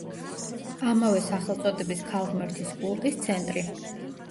ამავე სახელწოდების ქალღმერთის კულტის ცენტრი.